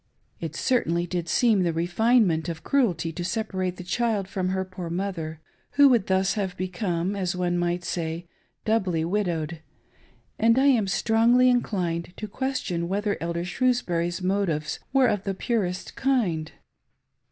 It certainly did seem the refinement of cruelty to separate the child from her poor mother, who would thus have become, as one might say, doubly widowed ; and I am strongly inclined to question whether Elder Shrewsbury's motives were of the purest kind..